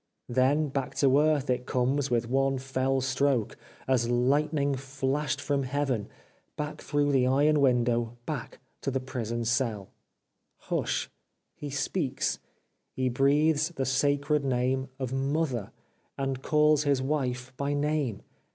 Then back to earth it comes with one fell stroke, as lightning flashed from heaven — back through the iron window, back to the prison cell. Hush !... He speaks !... He breathes the sacred name of Mother, and calls his wife by name